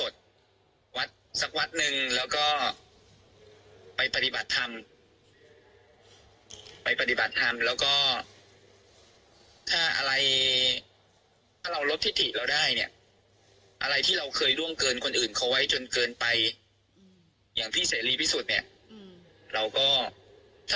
ถ้าเป็นผมนะผมจะกราบของเข้ามาผู้เสรีเขา